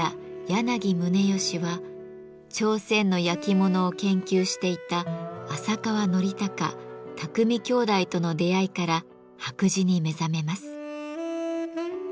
柳宗悦は朝鮮の焼き物を研究していた浅川伯教・巧兄弟との出会いから白磁に目覚めます。